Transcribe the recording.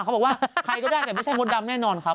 เขาบอกว่าใครก็ได้แต่ไม่ใช่มดดำแน่นอนครับ